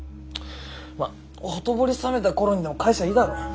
まっほとぼり冷めた頃にでも返せばいいだろ。